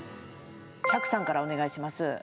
釈さんからお願いします。